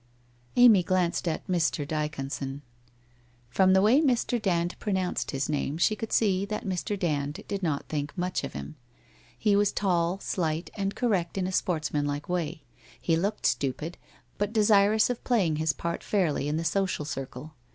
Amy glanced at Mr. Dyconson. From the way Mr. Dand pronounced his name she could see that Mr. Dand did not think much of him. He was tall, slight, and cor rect in a sportsmanlike way. He looked stupid, but de sirous of playing his part fairly in the social circle.